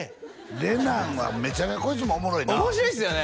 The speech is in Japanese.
レナンはめちゃめちゃこいつもおもろいな面白いっすよね